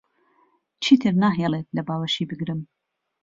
چیتر ناهێڵێت لە باوەشی بگرم.